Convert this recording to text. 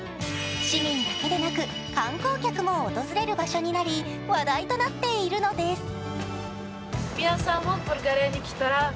市民だけでなく観光客も訪れる場所になり、話題となっているのです。